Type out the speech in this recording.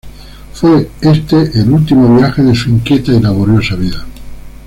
Fue este el último viaje de su inquieta y laboriosa vida.